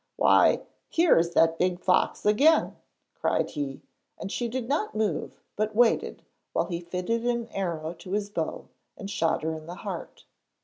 'Why, here is that big fox again,' cried he, and she did not move, but waited while he fitted an arrow to his bow and shot her in the heart.